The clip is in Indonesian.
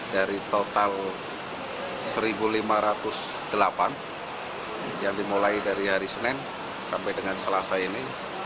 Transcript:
dari total satu lima ratus delapan yang dimulai dari hari senin sampai dengan selasa ini